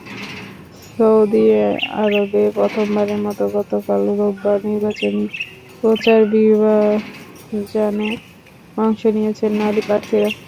Saudi আরবে প্রথমবারের মতো গতকাল রোববার নির্বাচনী প্রচারাভিযানে অংশ নিয়েছেন নারী প্রার্থীরা।